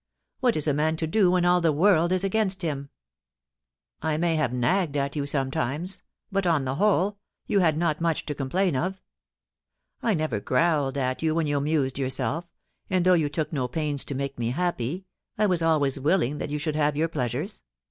What is a man to do when all the world is against him ? I may have nagged at you sometimes, but, on the whole, you had not much to complain of. I never growled at you when you amused yourself; and though you took no pains to make me happy, I was always willing that you should have your pleasures.